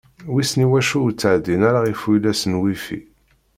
Wissen iwacu ur ttɛeddin ara ifuyla s WiFi?